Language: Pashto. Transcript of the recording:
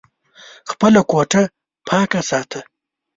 خپله کوټه پاکه ساته !